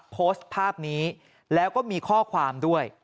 โพสต์ภาพนี้แล้วก็มีข้อความด้วย